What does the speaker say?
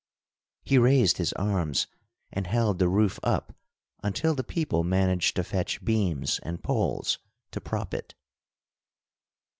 He raised his arms and held the roof up until the people managed to fetch beams and poles to prop it.